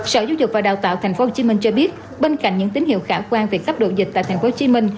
sở giúp dục và đào tạo tp hcm cho biết bên cạnh những tín hiệu khả quan về cấp độ dịch tại tp hcm